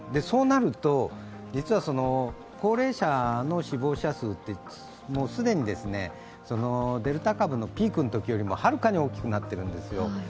そうなると、実は高齢者の死亡者数は既にデルタ株のピークのときよりもはるかに大きくなっているんですよ。